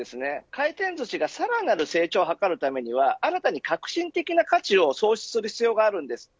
回転寿司がさらなる成長を図るためには新たな革新的な価値を創出する必要があります。